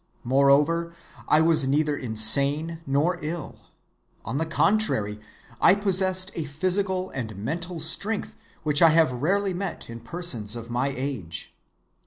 Moreover I was neither insane nor ill. On the contrary, I possessed a physical and mental strength which I have rarely met in persons of my age.